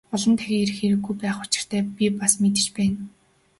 Олон дахин ирэх хэрэггүй байх учиртайг би бас мэдэж байна.